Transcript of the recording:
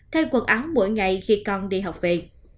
thay quần áo mỗi ngày khi con đi học về